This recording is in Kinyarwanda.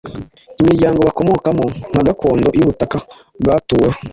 imiryango bakomokamo nka gakondo y’ubutaka bwatuweho